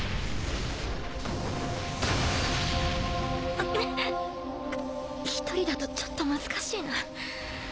鵑叩１人だとちょっと難しいな。